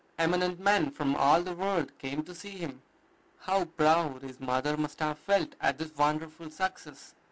Eminent men from all the world came to see him. How proud his mother must have felt at this wonderful success!